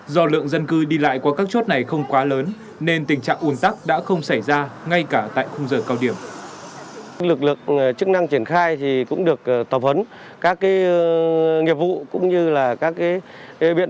do lượng dân cư đi lại qua các chốt này không quá lớn nên tình trạng ủn tắc đã không xảy ra ngay cả tại khung giờ cao điểm